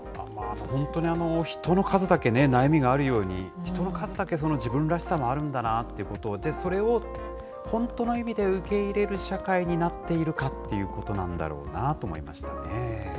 本当に人の数だけ悩みがあるように、人の数だけ自分らしさがあるんだなってことを、じゃあ、それを本当の意味で受け入れる社会になっているかっていうことなんだろうなと思いましたね。